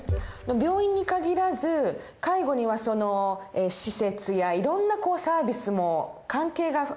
病院に限らず介護にはその施設やいろんなサービスも関係がいろいろありますよね。